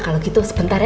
kalau gitu sebentar ya